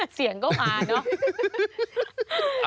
เสียงก็มาเนอะ